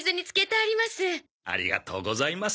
ありがとうございます。